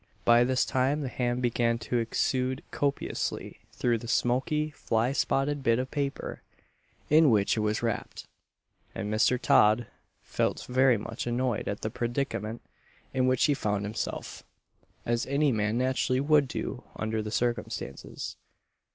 By this time the ham began to exude copiously through the smoky fly spotted bit of paper in which it was wrapped, and Mr. Todd felt very much annoyed at the predicament in which he found himself as any man naturally would do under the circumstances.